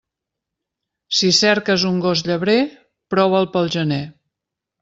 Si cerques un gos llebrer, prova'l pel gener.